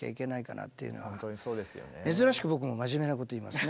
珍しく僕も真面目なこと言いますね。